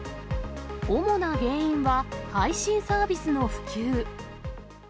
主な原因は配信サービスの普及。